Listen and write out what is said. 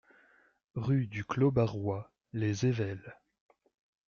Rue du Clos Barrois, Les Ayvelles